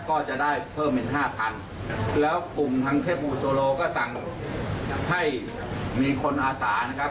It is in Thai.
ก็จะได้เพิ่มเป็นห้าพันแล้วกลุ่มทางเทพบูโซโลก็สั่งให้มีคนอาสานะครับ